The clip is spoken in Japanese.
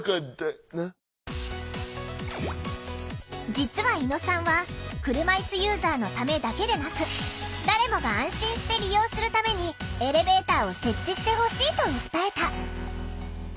実は猪野さんは車いすユーザーのためだけでなく誰もが安心して利用するためにエレベーターを設置してほしいと訴えた。